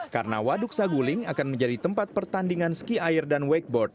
karena waduk saguling akan menjadi tempat pertandingan ski air dan wakeboard